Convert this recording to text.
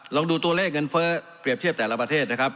ลองดูตัวเลขเงินเฟ้อเปรียบเทียบแต่ละประเทศนะครับ